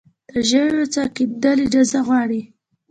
د ژورې څاه کیندل اجازه غواړي؟